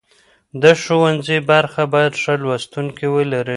د ښوونځي برخه باید ښه لوستونکي ولري.